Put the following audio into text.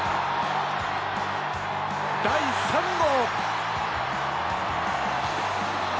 第３号。